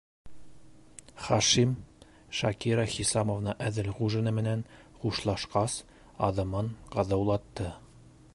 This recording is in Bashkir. Хашим, Шакира Хисамовна Әҙелғужина менән хушлашҡас, аҙымын ҡыҙыулатты.